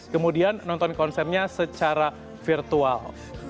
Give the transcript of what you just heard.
kemudian nonton konsernya secara virtual